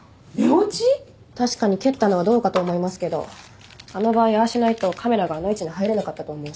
確かに蹴ったのはどうかと思いますけどあの場合ああしないとカメラがあの位置に入れなかったと思うし。